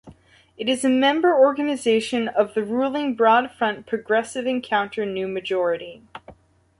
It is a member organisation of the ruling Broad Front Progressive Encounter-New Majority.